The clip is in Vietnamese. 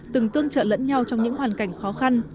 từng tương trợ lẫn nhau trong những hoàn cảnh khó khăn